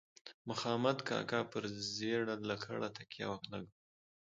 مخامد کاکا پر زیړه لکړه تکیه ولګوه.